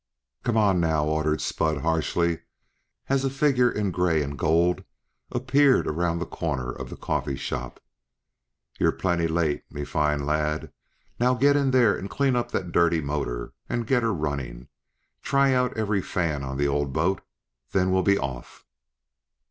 "Come on, now!" ordered Spud harshly, as a figure in gray and gold appeared around the corner of the coffee shop. "You're plinty late, me fine lad! Now get in there and clean up that dirty motor and get her runnin'! Try out every fan on the old boat; then we'll be off.